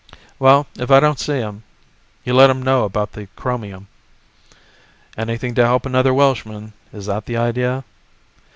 "Well, if I don't see him, you let him know about the chromium." "Anything to help another Welshman, is that the idea?"